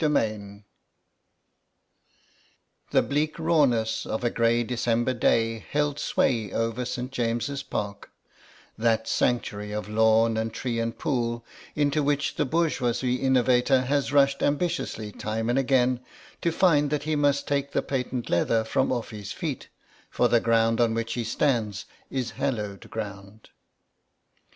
CHAPTER XVII THE bleak rawness of a grey December day held sway over St. James's Park, that sanctuary of lawn and tree and pool, into which the bourgeois innovator has rushed ambitiously time and again, to find that he must take the patent leather from off his feet, for the ground on which he stands is hallowed ground.